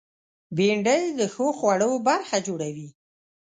بېنډۍ د ښو خوړو برخه جوړوي